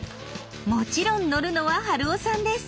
もちろん乗るのは春雄さんです。